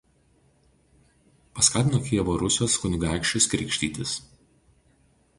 Paskatino Kijevo Rusios kunigaikščius krikštytis.